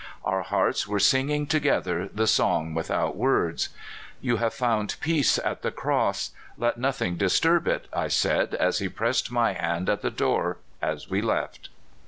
Our hearts were singing together the song without words. " You have found peace at the cross; let noth ing disturb it," I said, as he pressed my hand at the door as we left.